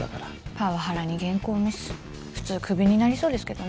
パワハラに原稿ミス普通クビになりそうですけどね。